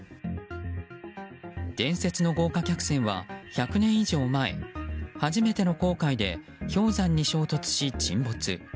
伝説の豪華客船は１００年以上前初めての航海で氷山に衝突し沈没。